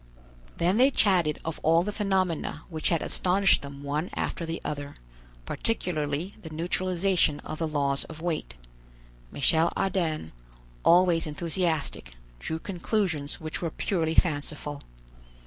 Then they chatted of all the phenomena which had astonished them one after the other, particularly the neutralization of the laws of weight. Michel Ardan, always enthusiastic, drew conclusions which were purely fanciful.